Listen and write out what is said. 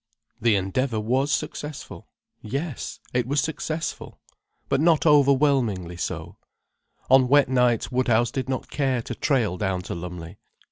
The Endeavour was successful—yes, it was successful. But not overwhelmingly so. On wet nights Woodhouse did not care to trail down to Lumley.